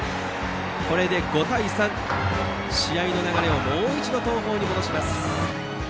これで５対３と試合の流れをもう一度東邦に戻します。